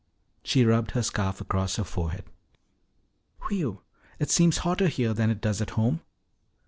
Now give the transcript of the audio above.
She rubbed her scarf across her forehead. "Whew! It seems hotter here than it does at home."